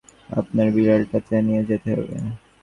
প্রোগ্রামটাকে বন্ধ করা হয়েছে, তাই, আপনার বিড়ালটাকে নিয়ে যেতে হবে।